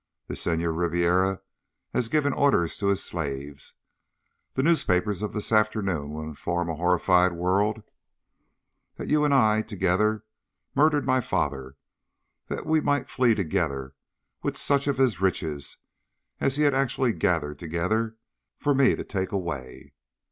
The Senhor Ribiera has given orders to his slaves. The newspapers of this afternoon will inform a horrified world that you and I, together, murdered my father that we might flee together with such of his riches as he had actually gathered together for me to take away.